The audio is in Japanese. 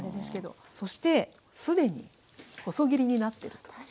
そして既に細切りになってると。